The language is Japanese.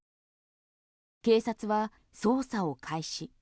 警察は捜査を開始。